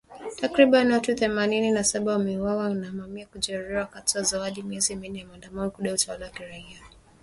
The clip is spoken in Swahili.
Takribani watu themanini na saba wameuawa na mamia kujeruhiwa wakati wa zaidi ya miezi minne ya maandamano ya kudai utawala wa kiraia